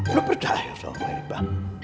lu percaya sama maipa